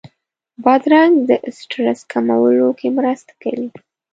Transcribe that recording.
بادرنګ د سټرس کمولو کې مرسته کوي.